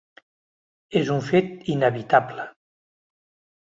És un fet inevitable.